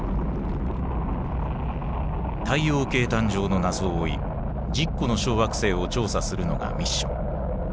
太陽系誕生の謎を追い１０個の小惑星を調査するのがミッション。